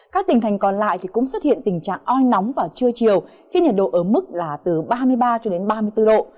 các tỉnh thành còn lại cũng xuất hiện tình trạng oi nóng vào trưa chiều khi nhiệt độ ở mức là từ ba mươi ba cho đến ba mươi bốn độ